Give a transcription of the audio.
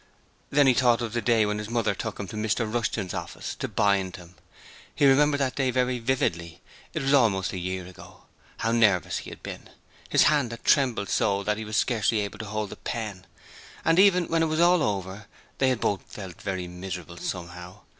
Then he thought of the day when his mother took him to Mr Rushton's office to 'bind' him. He remembered that day very vividly: it was almost a year ago. How nervous he had been! His hand had trembled so that he was scarcely able to hold the pen. And even when it was all over, they had both felt very miserable, somehow.